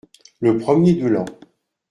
Le premier de l’an.